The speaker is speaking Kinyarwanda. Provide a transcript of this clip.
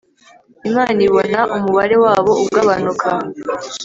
Imana ibona umubare wabo ugabanuka